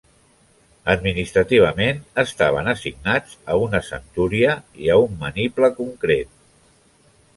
Administrativament, estaven assignats a una centúria i un maniple concret.